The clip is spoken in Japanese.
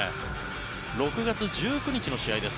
６月１９日の試合です。